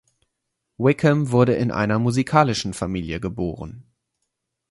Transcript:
Wickham wurde in einer musikalischen Familie geboren.